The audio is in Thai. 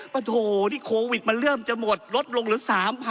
โถนี่โควิดมันเริ่มจะหมดลดลงเหลือ๓๐๐๐